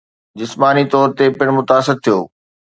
جسماني طور تي پڻ متاثر ٿيو